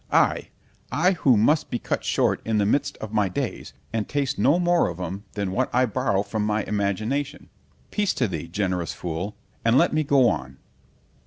I——I who must be cut short in the midst of my days, and taste no more of 'em than what I borrow from my imagination——peace to thee, generous fool! and let me go on.